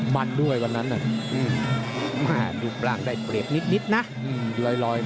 มันด้วยวันนั้นน่ะมาดูร่างได้เปรียบนิดนิดน่ะอืมลอยหน่อย